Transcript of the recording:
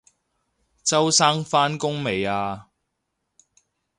周生返工未啊？